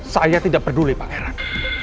saya tidak peduli pak heran